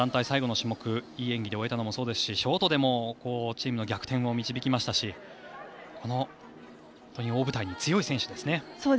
最後の種目いい演技で終えたのもそうですしショートでもチームの逆転を導きましたしこの大舞台に強い選手ですね。